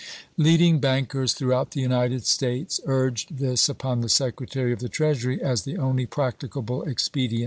Leading bankers throughout the United States urged this upon the Secretary of the Treasury as the only practicable expedient.